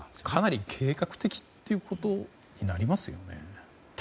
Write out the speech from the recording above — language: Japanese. かなり計画的ということになりますよね？